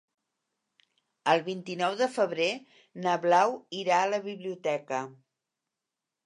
El vint-i-nou de febrer na Blau irà a la biblioteca.